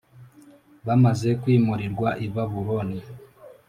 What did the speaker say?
Bamaze kwimurirwa i Babuloni,